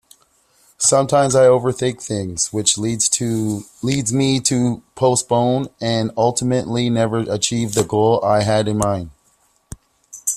Sometimes I overthink things which leads me to postpone and ultimately never achieve the goal I had in mind.